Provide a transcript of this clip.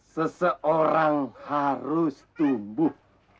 seseorang harus tumbuh